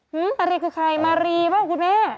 หือมารีคือใครมารีป่ะคุณแม่